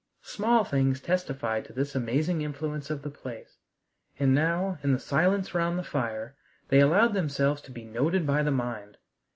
Small things testified to this amazing influence of the place, and now in the silence round the fire they allowed themselves to be noted by the mind.